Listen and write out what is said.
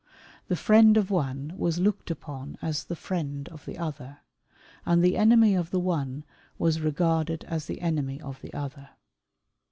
The friend of one was looked upon as the friend of the other; and the enemy of the one was regarded as the enemy of the other.